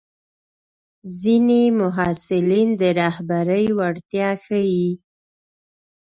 ځینې محصلین د رهبرۍ وړتیا ښيي.